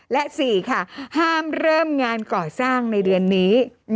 และ๔ค่ะห้ามเริ่มงานก่อสร้างในเดือนนี้